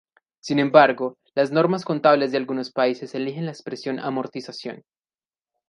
Sin embargo, las normas contables de algunos países eligen la expresión amortización.